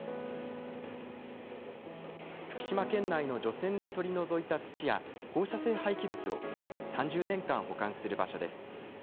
福島県内の除染で取り除いた土や放射性廃棄物を３０年間保管する場所です。